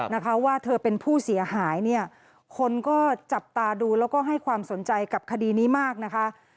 นะคะว่าเธอเป็นผู้เสียหายเนี่ยคนก็จับตาดูแล้วก็ให้ความสนใจกับคดีนี้มากนะคะ